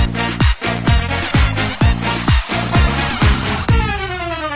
เจ้าจ้านยานวิภา